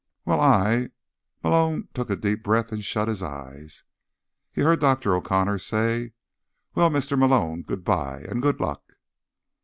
"Well, I—" Malone took a deep breath and shut his eyes. He heard Dr. O'Connor say: "Well, Mr. Malone, goodbye. And good luck."